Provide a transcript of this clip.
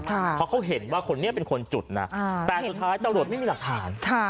เพราะเขาเห็นว่าคนนี้เป็นคนจุดนะแต่สุดท้ายตำรวจไม่มีหลักฐาน